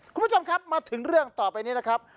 คุณผู้ชมครับมาถึงเรื่องต่อไปนี้นะครับ